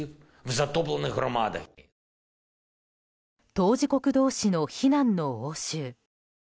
当事国同士の非難の応酬。